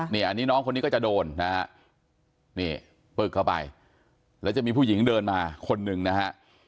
นี่อันนี้น้องคนนี้ก็จะโดนนะฮะนี่ปึกเข้าไปแล้วจะมีผู้หญิงเดินมาคนหนึ่งนะฮะ